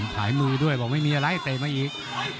ขายมือด้วยบอกไม่มีอะไรเตะมาอีก